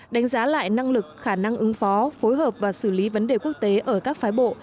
đánh giá lại năng lực khả năng ứng phó phối hợp và xử lý vấn đề quốc tế ở các phái bộ